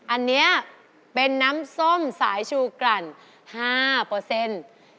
อันนี้เป็นน้ำส้มสายชูกรั่น๕